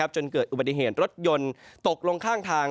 จนเกิดอุบัติเหตุรถยนต์ตกลงข้างทาง